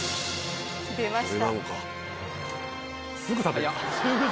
・出ました